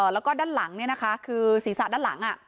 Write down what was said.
แล้วก็ด้านหลังคือศีรษะด้านหลัง